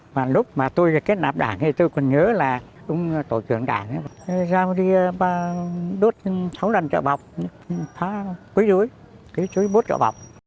và lúc mà tôi kết nạp đảng thì tôi còn nhớ là ông tổ trưởng đảng giao đi đốt sáu lần trợ bọc phá quấy rưới kế chối bốt trợ bọc